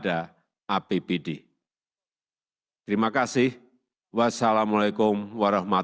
akan diatur dengan peraturan pemerintah